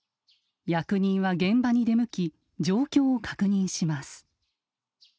役人は現場に出向き状況を確認します。